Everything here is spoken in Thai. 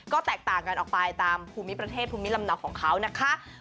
ก็แตกต่างกันออกไปตามภูมิประเทศภูมิลำเนาของเขานะคะ